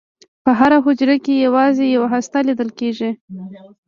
په هره حجره کې یوازې یوه هسته لیدل کېږي.